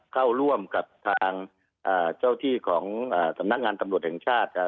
เข้าร่วมกับทางอ่าเจ้าที่ของสำนักงานตำรวจแห่งชาติ